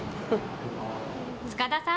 塚田さん